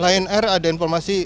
lain air ada informasi